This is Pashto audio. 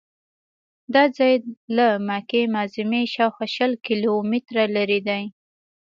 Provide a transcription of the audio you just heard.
دا ځای له مکې معظمې شاوخوا شل کیلومتره لرې دی.